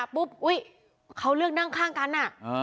ปุ๊บอุ้ยเขาเลือกนั่งข้างกันอะ